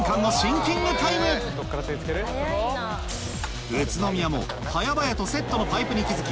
さぁ宇都宮も早々とセットのパイプに気付き